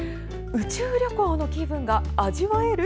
宇宙旅行の気分が味わえる？